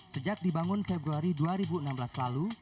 sejak dibangun februari dua ribu enam belas lalu